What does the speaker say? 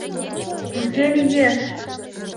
Кузе лиеш?